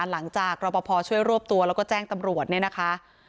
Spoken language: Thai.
หลังจากรบพอช่วยรวบตัวแล้วก็แจ้งตำรวจนี่นะคะ